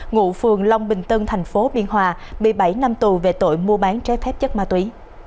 ngụ phường long bình tân thành phố biên hòa bị bảy năm tù về tội mua bán trái phép chất ma túy